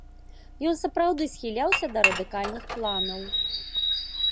Ён сапраўды схіляўся да радыкальных планаў.